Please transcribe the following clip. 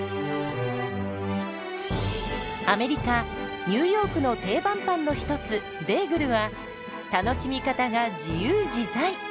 アメリカ・ニューヨークの定番パンの一つベーグルは楽しみ方が自由自在！